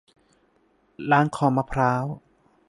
ล้างคอมะพร้าว